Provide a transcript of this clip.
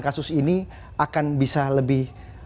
kasus ini akan bisa lebih